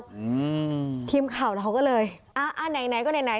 อืมทีมข่าวเราก็เลยอ่าอ่าไหนไหนก็ไหนไหน